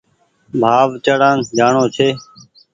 ڀآو چڙآن جآڻو ڇي